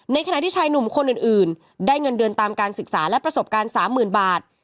ขณะที่ชายหนุ่มคนอื่นได้เงินเดือนตามการศึกษาและประสบการณ์๓๐๐๐บาท